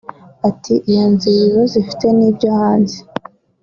Ati “iyo nzu ibibazo ifite ni ibyo hanze